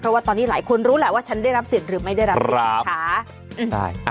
เพราะว่าตอนนี้หลายคนรู้แหละว่าฉันได้รับสิทธิ์หรือไม่ได้รับค่ะ